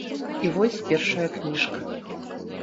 І вось першая кніжка!